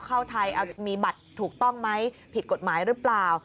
เข้าไทยมีบัตรถูกต้องไหมผิดกฎหมายหรือเปล่า